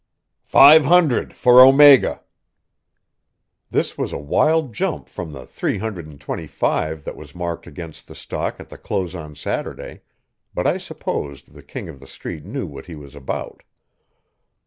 "Five hundred for Omega!" This was a wild jump from the three hundred and twenty five that was marked against the stock at the close on Saturday, but I supposed the King of the Street knew what he was about.